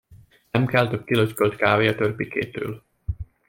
Nem kell több kilötykölt kávé a törpikétől!